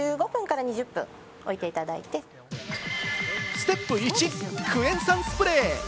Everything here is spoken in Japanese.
ステップ１・クエン酸スプレー。